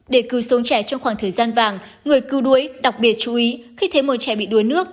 để cứu sống trẻ trong khoảng thời gian vàng người cứu đuối đặc biệt chú ý khi thấy một trẻ bị đuối nước